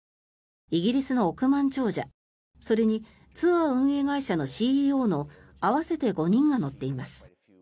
イギリスの億万長者それにツアー運営会社のＣＥＯの合わせて５人が乗っています。